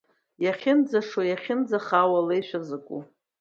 Иахьынӡашоу, иахьынӡахаау алеишәа закәу.